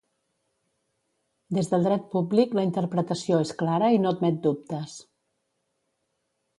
Des del dret públic la interpretació és clara i no admet dubtes.